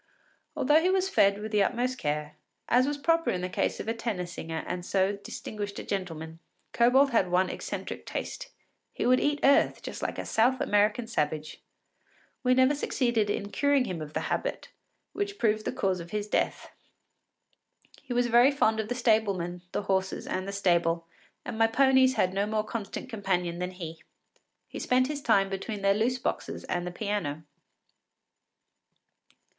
Although he was fed with the utmost care, as was proper in the case of a tenor singer and so distinguished a gentleman, Kobold had one eccentric taste: he would eat earth just like a South American savage. We never succeeded in curing him of the habit, which proved the cause of his death. He was very fond of the stablemen, the horses, and the stable, and my ponies had no more constant companion than he. He spent his time between their loose boxes and the piano.